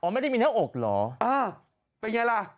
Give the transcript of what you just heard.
อ๋อไม่ได้มีเนื้ออกเหรออ่าเป็นไงล่ะ